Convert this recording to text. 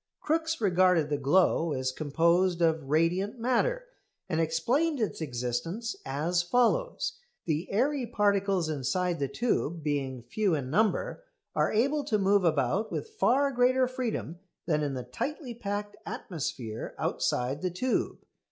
Crookes regarded the glow as composed of "radiant matter," and explained its existence as follows. The airy particles inside the tube, being few in number, are able to move about with far greater freedom than in the tightly packed atmosphere outside the tube.